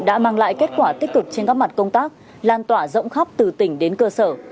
đã mang lại kết quả tích cực trên các mặt công tác lan tỏa rộng khắp từ tỉnh đến cơ sở